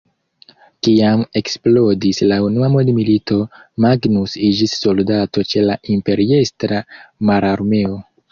Kiam eksplodis la Unua mondmilito Magnus iĝis soldato ĉe la Imperiestra mararmeo.